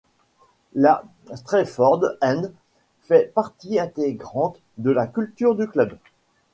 La Stretford End fait partie intégrante de la culture du club.